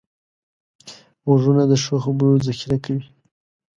غوږونه د ښو خبرو ذخیره کوي